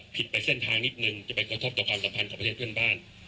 ไปเส้นทางนิดนึงจะไปกระทบต่อความสัมพันธ์กับประเทศเพื่อนบ้าน